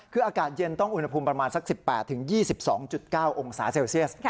คืออากาศเย็นต้องอุณหภูมิประมาณสัก๑๘๒๒๙องศาเซลเซียส